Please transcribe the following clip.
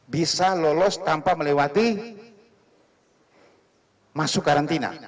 bisa lolos tanpa melewati masuk karantina